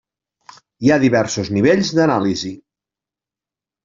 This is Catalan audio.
Hi ha diversos nivells d'anàlisi.